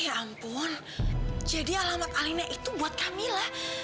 ya ampun jadi alamat alina itu buat kamila